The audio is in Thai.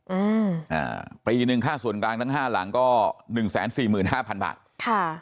อืมอ่าปีหนึ่งค่าส่วนกลางทั้งห้าหลังก็หนึ่งแสนสี่หมื่นห้าพันบาทค่ะ